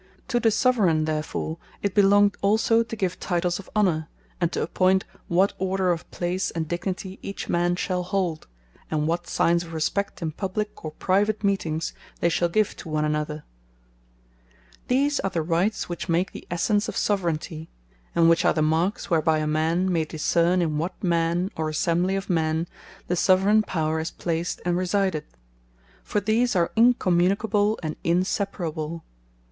To the Soveraign therefore it belongeth also to give titles of Honour; and to appoint what Order of place, and dignity, each man shall hold; and what signes of respect, in publique or private meetings, they shall give to one another. These Rights Are Indivisible These are the Rights, which make the Essence of Soveraignty; and which are the markes, whereby a man may discern in what Man, or Assembly of men, the Soveraign Power is placed, and resideth. For these are incommunicable, and inseparable.